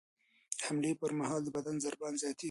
د حملې پر مهال د بدن ضربان زیاتېږي.